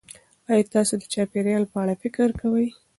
ایا تاسې د چاپیریال په اړه فکر کوئ؟